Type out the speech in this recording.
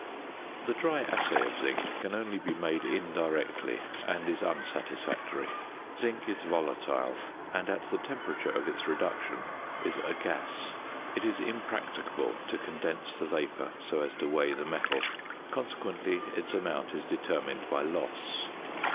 The dry assay of zinc can only be made indirectly, and is unsatisfactory. Zinc is volatile, and at the temperature of its reduction is a gas. It is impracticable to condense the vapour so as to weigh the metal, consequently its amount is determined by loss.